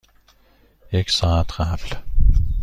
یک ساعت قبل.